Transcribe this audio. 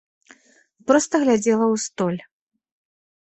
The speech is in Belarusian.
Проста глядзела ў столь.